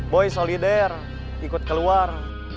boy solider ikut keluar